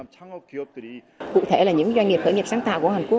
cụ thể là những doanh nghiệp khởi nghiệp sáng tạo